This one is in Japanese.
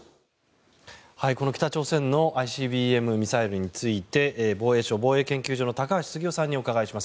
この北朝鮮のＩＣＢＭミサイルについて防衛省防衛研究所の高橋杉雄さんにお伺いします。